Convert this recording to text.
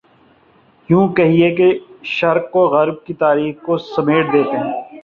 یوں کہیے کہ شرق و غرب کی تاریخ کو سمیٹ دیتے ہیں۔